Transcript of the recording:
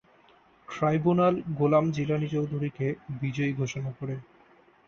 Tribunal Golam Jilani চৌধুরীকে বিজয়ী ঘোষণা করেন।